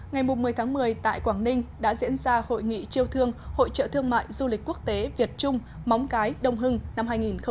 ngày một mươi tháng một mươi tại quảng ninh đã diễn ra hội nghị triêu thương hội trợ thương mại du lịch quốc tế việt trung móng cái đông hưng năm hai nghìn một mươi chín